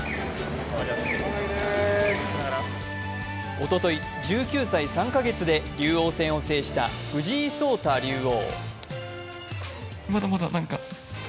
おととい、１９歳３カ月で竜王戦を制した藤井聡太竜王。